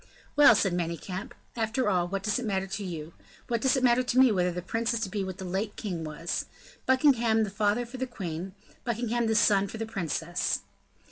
"Well," said Manicamp, "after all, what does it matter to you? What does it matter to me whether the prince is to be what the late king was? Buckingham the father for the queen, Buckingham the son for the princess."